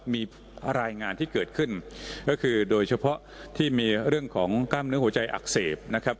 มีรายงานที่เกิดขึ้นก็คือโดยเฉพาะที่มีเรื่องของกล้ามเนื้อหัวใจอักเสบนะครับ